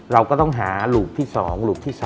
เราก็ต้องหาหลูบที่๒หลูบที่๓